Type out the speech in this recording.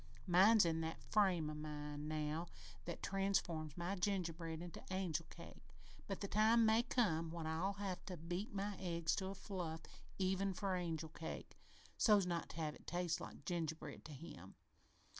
Mine's in that frame of mind now that transforms my gingerbread into angel cake, but the time may come when I'll have to beat my eggs to a fluff even for angel cake, so's not to have it taste like gingerbread to him.